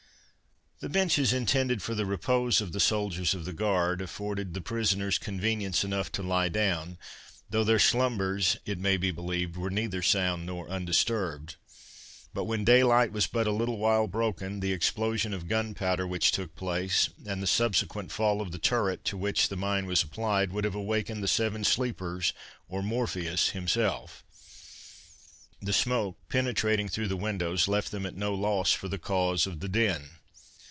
The benches intended for the repose of the soldiers of the guard, afforded the prisoners convenience enough to lie down, though their slumbers, it may be believed, were neither sound nor undisturbed. But when daylight was but a little while broken, the explosion of gunpowder which took place, and the subsequent fall of the turret to which the mine was applied, would have awakened the Seven Sleepers, or Morpheus himself. The smoke, penetrating through the windows, left them at no loss for the cause of the din.